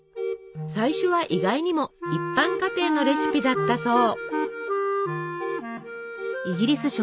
最初は意外にも一般家庭のレシピだったそう。